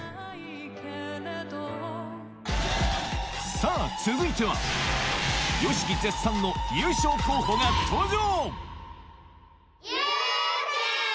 さぁ続いてはＹＯＳＨＩＫＩ絶賛の優勝候補が登場！